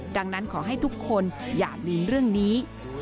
ดังนั้นขอให้ทุกคนอย่าลืมเรื่องนี้